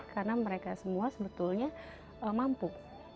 karena mereka semua sebetulnya mampu